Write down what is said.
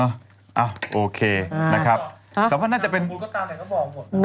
โอ๋ตอนนั้นน่าจะเป็น